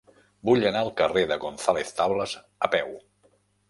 Vull anar al carrer de González Tablas a peu.